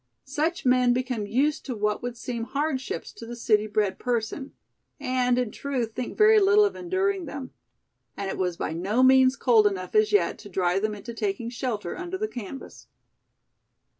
Such men become used to what would seem hardships to the city bred person, and in truth think very little of enduring them. And it was by no means cold enough as yet, to drive them into taking shelter under the canvas.